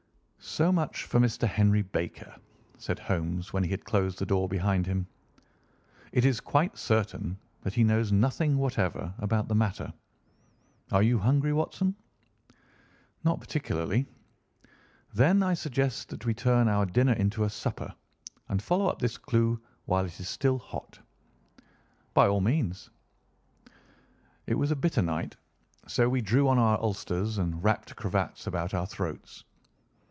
"So much for Mr. Henry Baker," said Holmes when he had closed the door behind him. "It is quite certain that he knows nothing whatever about the matter. Are you hungry, Watson?" "Not particularly." "Then I suggest that we turn our dinner into a supper and follow up this clue while it is still hot." "By all means." It was a bitter night, so we drew on our ulsters and wrapped cravats about our throats.